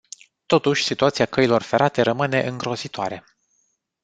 Totuși, situația căilor ferate rămâne îngrozitoare.